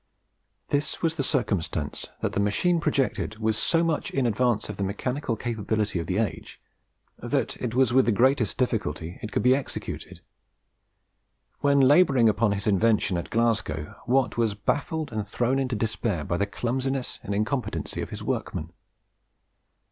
This was the circumstance that the machine projected was so much in advance of the mechanical capability of the age that it was with the greatest difficulty it could be executed. When labouring upon his invention at Glasgow, Watt was baffled and thrown into despair by the clumsiness and incompetency of his workmen.